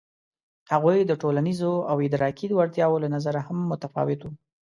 هغوی د ټولنیزو او ادراکي وړتیاوو له نظره هم متفاوت وو.